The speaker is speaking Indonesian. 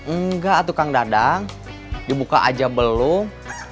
enggak tukang dadang dibuka aja belum